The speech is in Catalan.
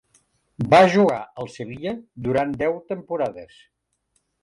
Va jugar al Sevilla durant deu temporades.